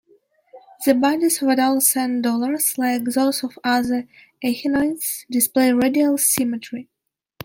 The bodies of adult sand dollars, like those of other echinoids, display radial symmetry.